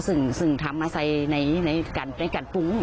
ซึ่งทำมาใส่ในการปรุง